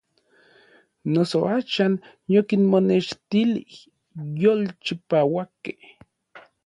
Noso axan yokinmonextilij n yolchipauakej.